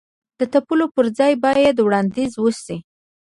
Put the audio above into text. د تپلو پر ځای باید وړاندیز وشي.